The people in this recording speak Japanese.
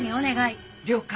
了解。